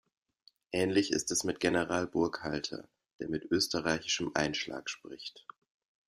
Ähnlich ist es mit General Burkhalter, der mit österreichischem Einschlag spricht.